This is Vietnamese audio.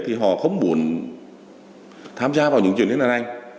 thì họ không muốn tham gia vào những chuyện như thế này